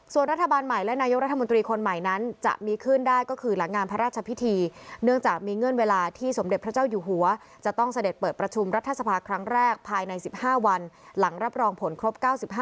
ส่วนรัฐบาลใหม่และนายกรัฐมนตรีคนใหม่นั้นจะมีขึ้นได้ก็คือหลังงานพระราชพิธีเนื่องจากมีเงื่อนเวลาที่สมเด็จพระเจ้าอยู่หัวจะต้องเสด็จเปิดประชุมรัฐสภาครั้งแรกภายใน๑๕วันหลังรับรองผลครบ๙๕